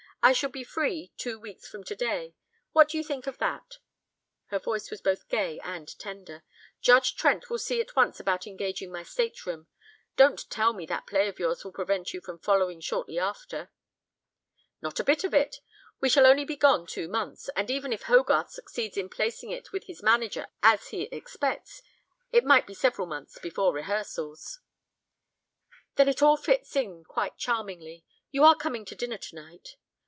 "I shall be free two weeks from today. What do you think of that?" Her voice was both gay and tender. "Judge Trent will see at once about engaging my stateroom. Don't tell me that that play of yours will prevent you from following shortly after." "Not a bit of it. We shall only be gone two months, and even if Hogarth succeeds in placing it with his manager as he expects, it might be several months before rehearsals." "Then it all fits in quite charmingly. You are coming to dinner tonight?"